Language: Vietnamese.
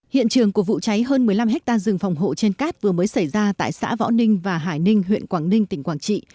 hiện trường của vụ cháy hơn một mươi năm hectare rừng phòng hộ trên cát vừa mới xảy ra tại xã võ ninh và hải ninh huyện quảng ninh tỉnh quảng trị